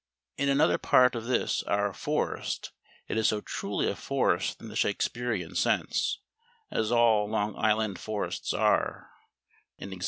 In another part of this our "forest" it is so truly a forest in the Shakespearean sense, as all Long Island forests are (e.g.